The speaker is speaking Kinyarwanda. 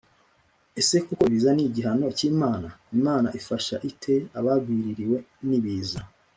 Ese koko ibiza ni igihano k’Imana? Imana ifasha ite abagwiririwe n’ibiza